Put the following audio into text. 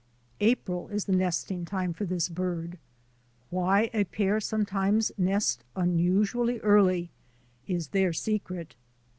April is the nesting time for this bird. Why a pair sometimes nest unusually early is their secret.